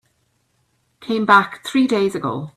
Came back three days ago.